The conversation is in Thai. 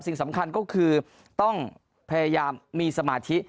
สิ่งสำคัญก็คือต้องพยายามมีสมาธิ